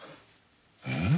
うん？